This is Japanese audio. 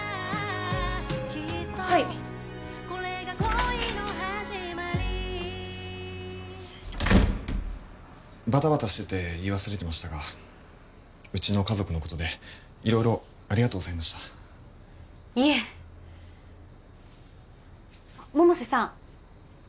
はいバタバタしてて言い忘れてましたがうちの家族のことで色々ありがとうございましたいえ百瀬さん